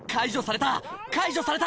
解除された！